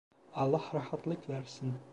Allah rahatlık versin.